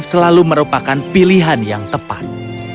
selalu merupakan pilihan yang tepat